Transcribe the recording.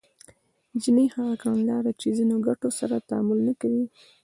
جیني هغه کړنلاره چې ځینو ګټو سره تعامل نه کوي